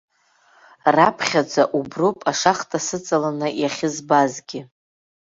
Раԥхьаӡа уброуп ашахта сыҵаланы иахьызбазгьы.